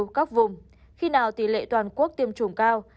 các vùng khi nào tỷ lệ toàn quốc tiêm chủng cao